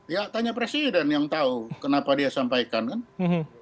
ya tanya presiden yang tahu kenapa dia sampaikan kan